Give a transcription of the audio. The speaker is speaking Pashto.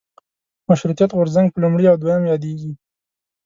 مشروطیت غورځنګ په لومړي او دویم یادېږي.